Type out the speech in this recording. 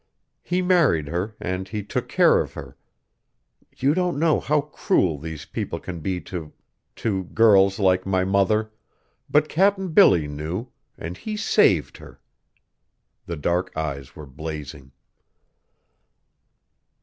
He married her, and he took care of her! You don't know how cruel these people can be to to girls like my mother, but Cap'n Billy knew, and he saved her!" The dark eyes were blazing.